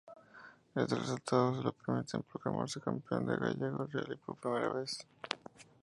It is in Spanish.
Estos resultados le permiten proclamarse campeón gallego de rally por primera vez.